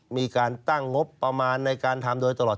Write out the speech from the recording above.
มีการตั้งงบประมาณในการทำโดยตลอด